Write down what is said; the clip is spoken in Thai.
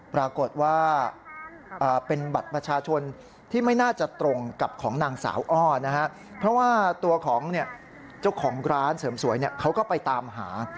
ปรากฏว่าเป็นบัตรประชาชนที่ไม่น่าจะตรงกับของนางสาวอ้อนะฮะเพราะว่าตัวของเจ้าของร้านเสริมสวยเขาก็ไปตามหา